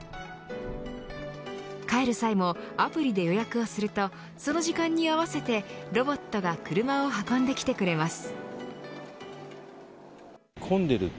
帰る際もアプリで予約をするとその時間に合わせてロボットが車を運んできてくれます。